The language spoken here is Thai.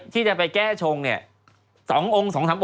ที่จะไปแก้ชงเนี่ย